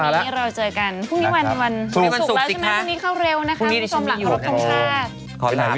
เราเจอกันพรุ่งนี้วันสุขแล้วใช่ไหม